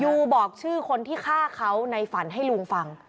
ยูบอกชื่อคนที่ฆ่าเขาในฝันให้ลุงฟัง